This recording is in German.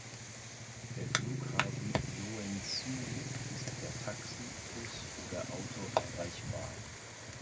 Der Flughafen Joensuu ist per Taxi, Bus oder Auto erreichbar.